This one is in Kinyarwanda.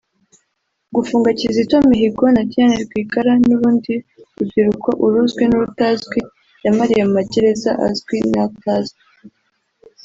gufunga Kizito Mihigo na Diane Rwigara n’urundi rubyiruko uruzwi n’urutazwi yamariye mu magereza azwi n’atazwi